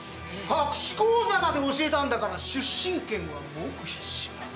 隠し口座まで教えたんだから出身県は黙秘します。